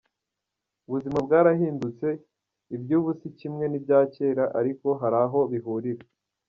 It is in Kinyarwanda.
Ubuzima bwarahindutse, iby’ubu si kimwe n’ibya kera ariko hari aho bihurira.